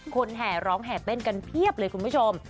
แห่ร้องแห่เต้นกันเพียบเลยคุณผู้ชม